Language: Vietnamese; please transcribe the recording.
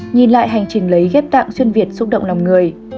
nhìn lại hành trình lấy ghép tạng xuyên việt xúc động lòng người